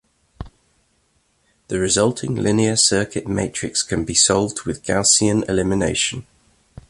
The resulting linear circuit matrix can be solved with Gaussian elimination.